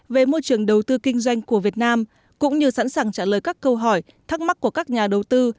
về môi trường đầu tư kinh doanh của việt nam cũng như sẵn sàng trả lời các câu hỏi thắc mắc của các nhà đầu tư